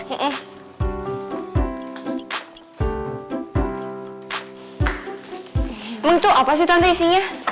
emang itu apa sih tante isinya